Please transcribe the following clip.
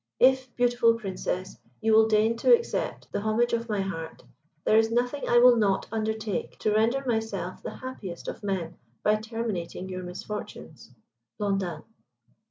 If, beautiful Princess, you will deign to accept the homage of my heart, there is nothing I will not undertake to render myself the happiest of men by terminating your misfortunes. BLONDIN."